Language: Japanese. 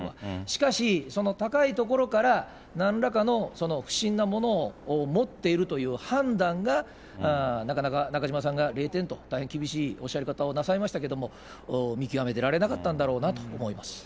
しかし、その高い所からなんらかの不審なものを持っているという判断が、なかなか、中島さんが０点と、大変厳しいおっしゃり方をなさいましたけど、見極めてなかったんだろうなと思います。